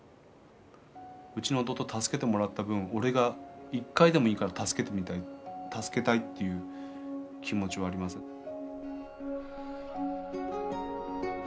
うちの弟助けてもらった分おれが１回でもいいから助けてみたい助けたいっていう気持ちはありますね。